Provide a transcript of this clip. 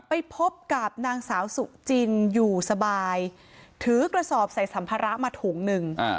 ไปพบกับนางสาวสุจินอยู่สบายถือกระสอบใส่สัมภาระมาถุงหนึ่ง